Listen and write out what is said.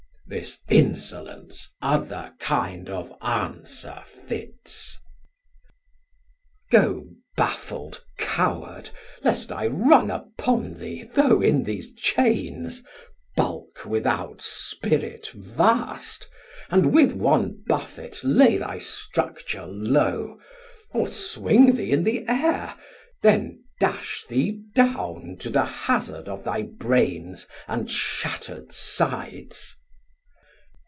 Har: This insolence other kind of answer fits. Sam: Go baffl'd coward, lest I run upon thee, Though in these chains, bulk without spirit vast, And with one buffet lay thy structure low, Or swing thee in the Air, then dash thee down 1240 To the hazard of thy brains and shatter'd sides.